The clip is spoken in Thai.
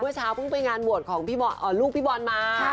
เช้าเพิ่งไปงานบวชของลูกพี่บอลมา